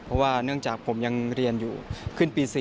เพราะว่าเนื่องจากผมยังเรียนอยู่ขึ้นปี๔